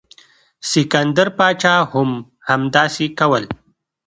سکندر پاچا هم همداسې کول.